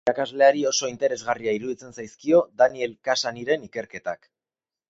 Irakasleari oso interesgarria iruditzen zaizkio Daniel Cassanyren ikerketak.